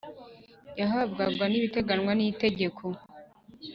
yahabwaga n ibiteganywa n Itegeko